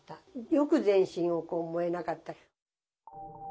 よく全身を燃えなかった。